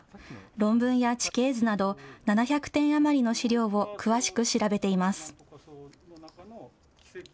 論文や地形図など、７００点余りの資料を詳しく調べています。